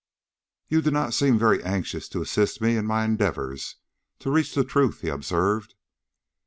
"You do not seem very anxious to assist me in my endeavors to reach the truth," he observed.